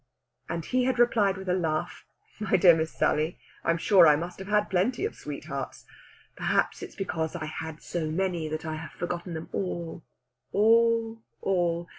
And he had replied with a laugh: "My dear Miss Sally, I'm sure I must have had plenty of sweethearts. Perhaps it's because I had so many that I have forgotten them all all all!